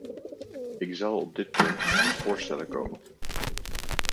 Ik zal op dit punt met voorstellen komen.